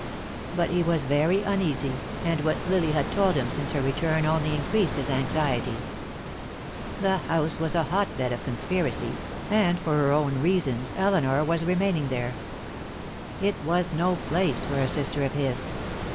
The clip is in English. But he was very uneasy, and what Lily had told him since her return only increased his anxiety. The house was a hotbed of conspiracy, and for her own reasons Elinor was remaining there. It was no place for a sister of his.